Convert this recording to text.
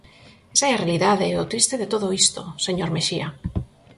Esa é a realidade e o triste de todo isto, señor Mexía.